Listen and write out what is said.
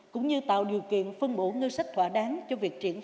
cũng như tạo điều kiện phân bổ ngư sách thỏa đáng cho việc truyền thống